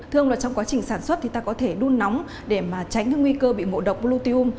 nhưng mà trong quá trình sản xuất thì ta có thể đun nóng để mà tránh cái nguy cơ bị ngộ độc bolutinum